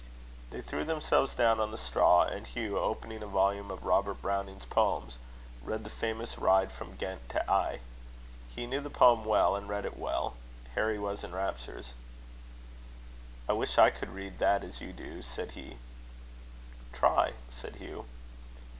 They threw themselves down on the straw, and Hugh, opening a volume of Robert Browning's Poems, read the famous ride from Ghent to Aix. He knew the poem well, and read it well. Harry was in raptures. "I wish I could read that as you do," said he. "Try," said Hugh.